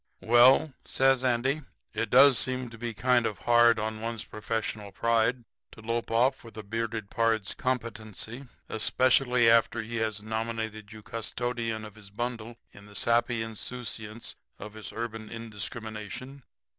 "'Well,' says Andy, 'it does seem kind of hard on one's professional pride to lope off with a bearded pard's competency, especially after he has nominated you custodian of his bundle in the sappy insouciance of his urban indiscrimination.